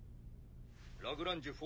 ラグランジュ４